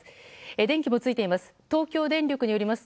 電気もついています。